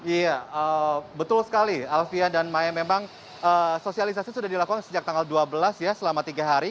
iya betul sekali alfian dan maya memang sosialisasi sudah dilakukan sejak tanggal dua belas ya selama tiga hari